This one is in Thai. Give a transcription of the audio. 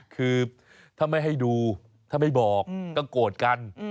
คือถ้าไม่ให้ดูถ้าไม่บอกก็โกรธกัน